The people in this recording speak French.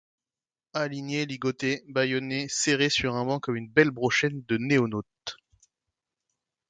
Alignées ligotés bâillonnées serrés sur un banc comme une belle brochette de NoéNautes.